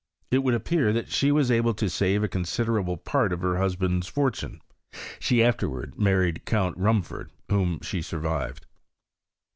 It would appear that she was able to save a considerable part of her husband's fortune: she afterwards married Count Rumford, whom she survived.